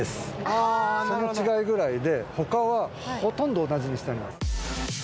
その違いくらいで他はほとんど同じにしてあります。